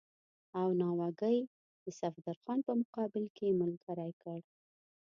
او د ناوګۍ د صفدرخان په مقابل کې یې ملګری کړ.